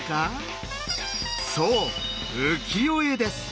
そう「浮世絵」です。